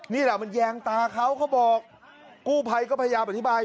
นี่แหละมันแยงตาเขาเขาบอกกู้ภัยก็พยายามอธิบาย